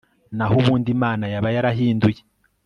naho ubundi imana yaba yarahinduye